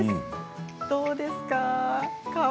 どうですか？